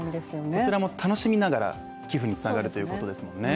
こちらも楽しみながら寄付につながるということですもんね。